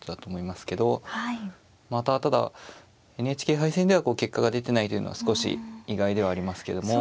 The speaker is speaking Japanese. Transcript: ただＮＨＫ杯戦では結果が出てないというのは少し意外ではありますけども。